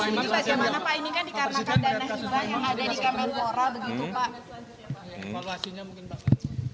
yang ada di kementerian pembangunan begitu pak